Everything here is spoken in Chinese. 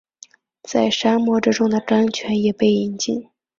在沙漠之中的甘泉也被饮尽